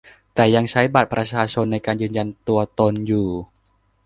แต่ยังใช้บัตรประชาชนในการยืนยันตัวตนอยู่